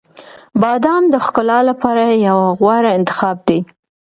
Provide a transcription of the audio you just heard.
• بادام د ښکلا لپاره یو غوره انتخاب دی.